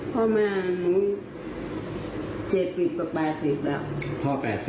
พ่อแม่หนู๗๐กับ๘๐แล้ว